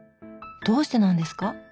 どうしてなんですか？